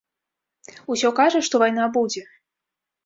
Усё кажа, што вайна будзе.